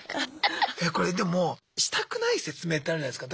これでもしたくない説明ってあるじゃないすか。